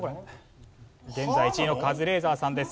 現在１位のカズレーザーさんです。